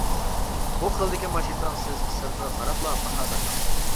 بۇ خىلدىكى ماشىنىنىڭ سىز سىرتىغا قاراپلا باھا بەرمەڭ.